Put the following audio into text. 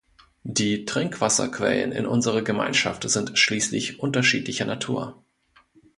Die Trinkwasserquellen in unserer Gemeinschaft sind schließlich unterschiedlicher Natur.